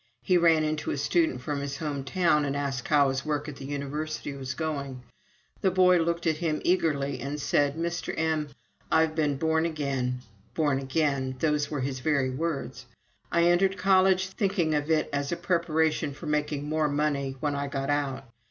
He ran into a student from his home town and asked how his work at the University was going. The boy looked at him eagerly and said, "Mr. M , I've been born again! ["Born again" those were his very words.] I entered college thinking of it as a preparation for making more money when I got out.